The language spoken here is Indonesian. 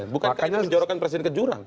bukankah ini menjorokkan presiden ke jurang